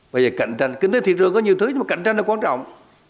bây giờ kinh tế thị trường có nhiều thứ nhưng mà cạnh tranh là quan trọng